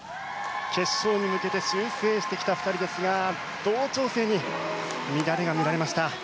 決勝に向けて修正してきた２人ですが同調性に乱れが見られました。